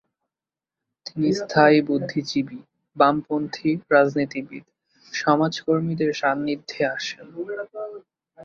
তিনি স্থানীয় বুদ্ধিজীবী, বামপন্থী রাজনীতিবীদ, সমাজকর্মীদের সান্নিধ্যে আসেন।